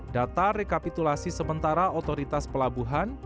data rekapitulasi sementara otoritas pelabuhan